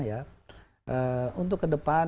ya untuk ke depan